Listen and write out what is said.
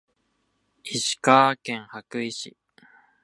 石川県羽咋市